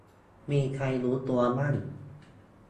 มีใครรู้ตัวบ้าง